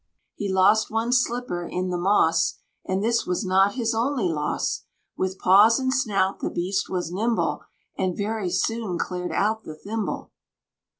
He lost one slipper in the moss, And this was not his only loss. With paws and snout the beast was nimble, And very soon cleared out the thimble.